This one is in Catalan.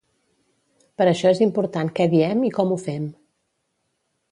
Per això és important què diem i com ho fem.